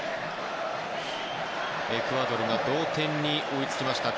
エクアドルが同点に追いつきました。